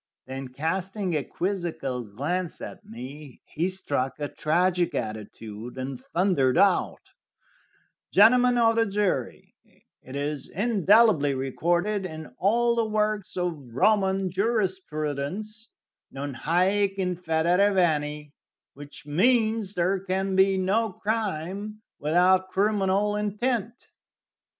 Then, casting a quizzical glance at me, he struck a tragic attitude, and thundered out: "Gentlemen of the jury, it is indelibly recorded in all the works of Roman jurisprudence, 'Non haec in federe veni,' which means there can be no crime without criminal intent."